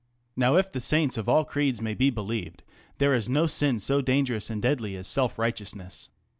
Now if the saints of all creeds may be believed, there is no sin so dangerous and deadly as self righteousness.